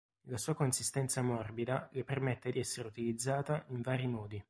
La sua consistenza morbida le permette di essere utilizzata in vari modi.